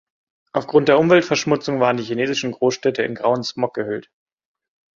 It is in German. Aufgrund der Umweltverschmutzung waren die chinesischen Großstädte in grauen Smog gehüllt.